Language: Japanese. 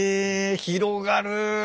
広がる。